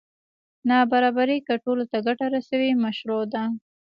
نابرابري که ټولو ته ګټه رسوي مشروع ده.